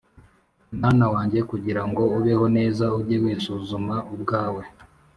Mwana wanjye, kugira ngo ubeho neza, ujye wisuzuma ubwawe,